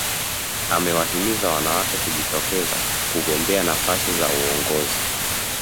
Amewahimiza wanawake kujitokeza kugombea nafasi za uongozi